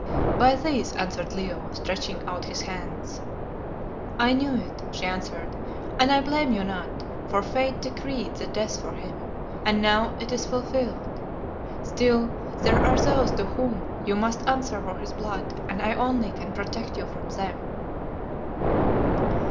"By these," answered Leo, stretching out his hands. "I knew it," she answered, "and I blame you not, for fate decreed that death for him, and now it is fulfilled. Still, there are those to whom you must answer for his blood, and I only can protect you from them."